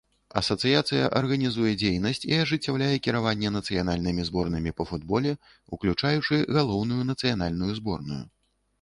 Асацыяцыя арганізуе дзейнасць і ажыццяўляе кіраванне нацыянальнымі зборнымі па футболе, уключаючы галоўную нацыянальную зборную.